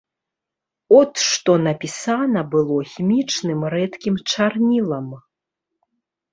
От што напісана было хімічным рэдкім чарнілам.